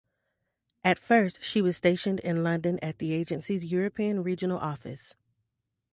At first she was stationed in London at the agency's European Regional Office.